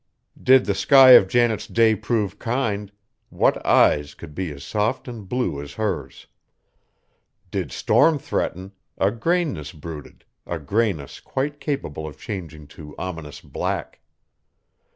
Did the sky of Janet's day prove kind, what eyes could be as soft and blue as hers? Did storm threaten, a grayness brooded, a grayness quite capable of changing to ominous black.